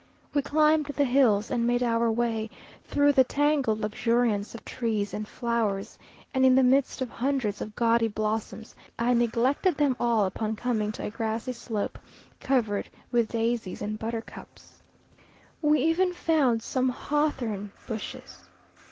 We climbed the hills, and made our way through the tangled luxuriance of trees and flowers, and in the midst of hundreds of gaudy blossoms, I neglected them all upon coming to a grassy slope covered with daisies and buttercups. We even found some hawthorn bushes.